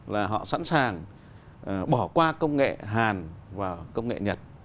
là họ sẵn sàng bỏ qua công nghệ hàn và công nghệ nhật